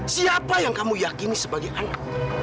siapa yang kamu yakini sebagai anak